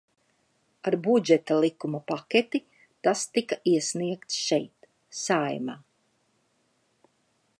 Ar Budžeta likuma paketi tas tika iesniegts šeit, Saeimā.